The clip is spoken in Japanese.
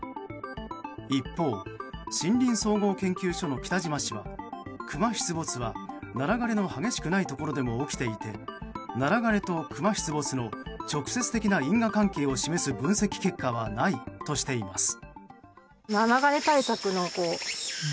一方、森林総合研究所の北島氏はクマ出没はナラ枯れの激しくないところでも起きていてナラ枯れとクマ出没の直接的な因果関係を示す分析結果はないとしています。